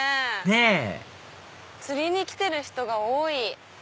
ねぇ釣りに来てる人が多い。